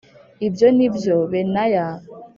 Ibyo ni byo benaya